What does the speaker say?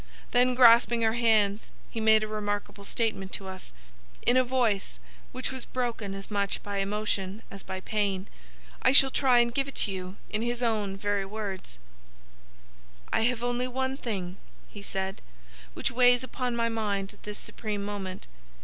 Then, grasping our hands, he made a remarkable statement to us, in a voice which was broken as much by emotion as by pain. I shall try and give it to you in his own very words. "'I have only one thing,' he said, 'which weighs upon my mind at this supreme moment.